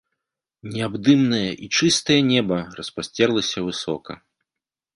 Неабдымнае і чыстае неба распасцерлася высока.